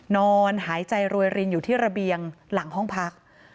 นอนหายใจรวยรินอยู่ที่ระเบียงหลังห้องพัก